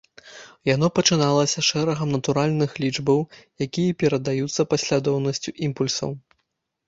Яно пачыналася шэрагам натуральных лічбаў, якія перадаюцца паслядоўнасцю імпульсаў.